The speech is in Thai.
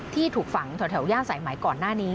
ที่ถูกฝังแถวย่านสายไหมก่อนหน้านี้